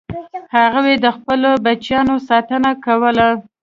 هغوی د خپلو بچیانو ساتنه کوله.